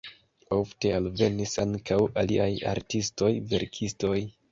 Ofte alvenis ankaŭ aliaj artistoj, verkistoj.